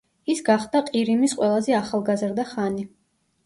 ის გახდა ყირიმის ყველაზე ახალგაზრდა ხანი.